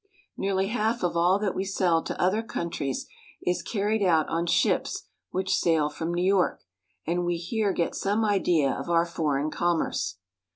Nearly half of all that we sell to other countries is car ried out on ships which sail from New York, and we here get some idea of our foreign commerce.